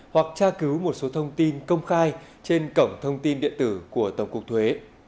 hoặc tra cứu một số thông tin công khai trên cổng thông tin điện tử của tổng cục thuế